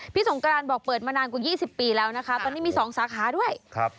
สงกรานบอกเปิดมานานกว่า๒๐ปีแล้วนะคะตอนนี้มีสองสาขาด้วยครับ